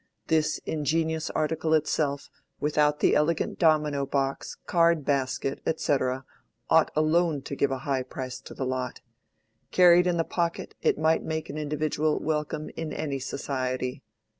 This ingenious article itself, without the elegant domino box, card basket, &c., ought alone to give a high price to the lot. Carried in the pocket it might make an individual welcome in any society.